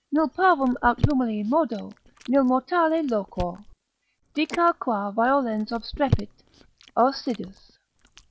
Nil parvum aut humili modo, nil mortale loquor. Dicar qua violens obstrepit Ausidus.